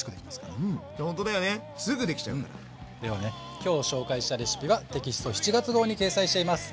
今日紹介したレシピはテキスト７月号に掲載しています。